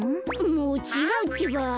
もうちがうってば。